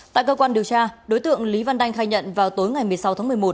tại cơ quan điều tra đối tượng lý văn đanh khai nhận vào tối ngày một mươi sáu tháng một mươi một